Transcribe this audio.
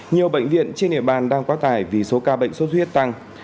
nhiều bệnh viện trên địa bàn đang quá tải vì số ca bệnh sốt huyết tăng